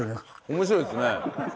面白いですね。